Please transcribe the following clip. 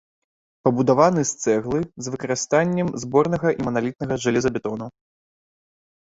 Пабудаваны з цэглы з выкарыстаннем зборнага і маналітнага жалезабетону.